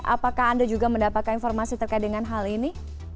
apakah anda juga mendapatkan informasi terkait dengan hal ini